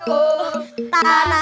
ate pacaran sama siapa